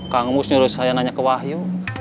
kang mus nyuruh saya nanya ke wahyu